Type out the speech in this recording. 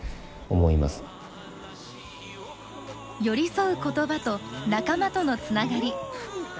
寄り添う言葉と仲間とのつながり。